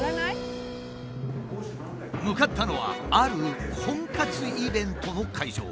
向かったのはある婚活イベントの会場。